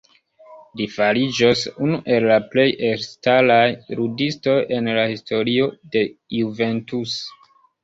Li fariĝos unu el la plej elstaraj ludistoj en la historio de Juventus.